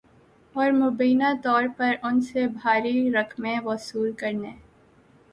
اور مبینہ طور پر ان سے بھاری رقمیں وصول کرنے